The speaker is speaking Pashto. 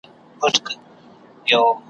هر سړی یې رانیولو ته تیار وي ,